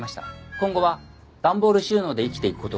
今後は段ボール収納で生きていく事を決めました。